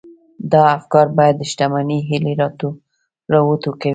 دا افکار بايد د شتمنۍ هيلې را وټوکوي.